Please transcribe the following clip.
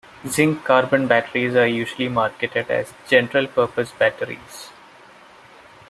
Zinc-carbon batteries are usually marketed as "general purpose" batteries.